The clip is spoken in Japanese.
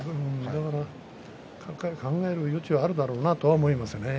考える余地はあるだろうなと思いますね。